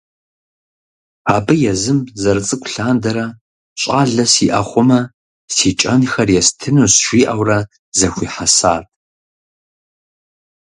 Абы езым зэрыцӏыкӏу лъандэрэ, щӀалэ сиӀэ хъумэ си кӀэнхэр естынущ жиӀэурэ зэхуихьэсат.